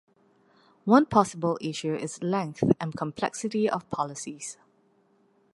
One possible issue is length and complexity of policies.